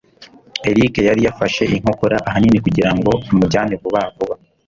Eric yari yafashe inkokora, ahanini kugirango amujyane vuba vuba.